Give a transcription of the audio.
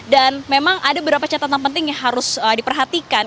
dan memang ada beberapa catatan penting yang harus diperhatikan